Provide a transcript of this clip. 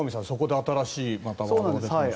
そこで新しいのが。